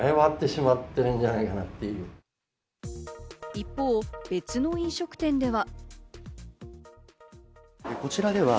一方、別の飲食店では。